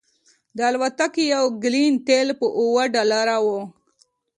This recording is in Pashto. د الوتکې یو ګیلن تیل په اوه ډالره و